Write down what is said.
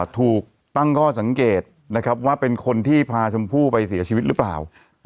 ถูกตั้งข้อสังเกตว่าเป็นคนที่พาชมพู่ไปเสียชีวิตหรือเปล่า